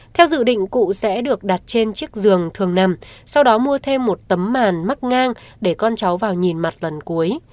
theo dự định cụ sẽ được đặt trên chiếc giường thường nằm sau đó mua thêm một tấm màn mắc ngang để con cháu vào nhìn mặt lần cuối